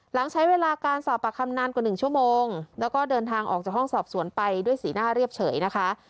หลังใช้เวลาการสอบปากคำนานกว่า๑ชั่วโมงแล้วก็เดินทางออกจากห้องสอบสวนไปด้วยสีหน้าเรียบเฉยนะคะ